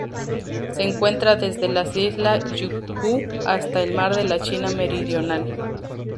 Se encuentra desde las Islas Ryukyu hasta el Mar de la China Meridional.